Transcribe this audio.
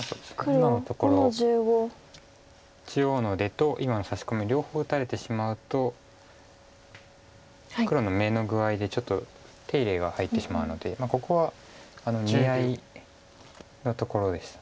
今のところ中央の出と今のサシコミ両方打たれてしまうと黒の眼の具合でちょっと手入れが入ってしまうのでここは見合いのところでした。